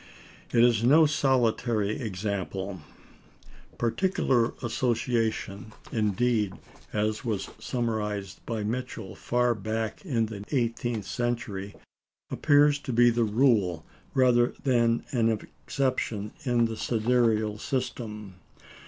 It is no solitary example. Particular association, indeed as was surmised by Michell far back in the eighteenth century appears to be the rule rather than an exception in the sidereal system.